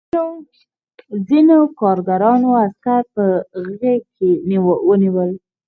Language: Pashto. ځینو کارګرانو عسکر په غېږ کې ونیول